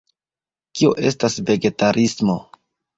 Kio estas vegetarismo?